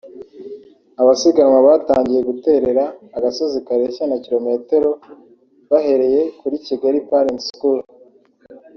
Abasiganwa batangiye guterera agasozi kareshya na kilometero bahereye kuri Kigali Parents School